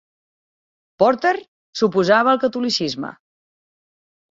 Porter s'oposava al catolicisme.